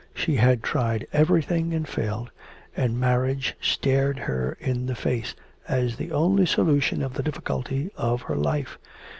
She had tried everything and failed, and marriage stared her in the face as the only solution of the difficulty of her life.